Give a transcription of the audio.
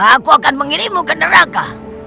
aku akan mengirimmu ke neraka